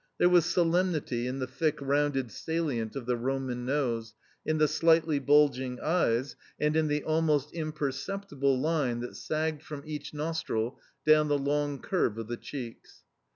There was solemnity in the thick, rounded salient of the Roman nose, in the slightly bulging eyes, and in the almost imperceptible line that sagged from each nostril down the long curve of the cheeks.